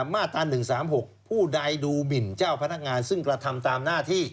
มาตรา๑๓๖ผู้ใดดูหมินเจ้าพนักงานซึ่งกระทำตามหน้าที่